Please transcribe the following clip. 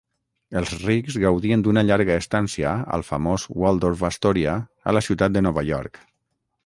Els rics gaudien d"una llarga estància al famós Waldorf-Astoria a la ciutat de Nova York.